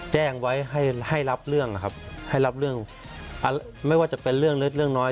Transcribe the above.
แจ้งไว้ให้ให้รับเรื่องนะครับให้รับเรื่องไม่ว่าจะเป็นเรื่องเล็กเรื่องน้อย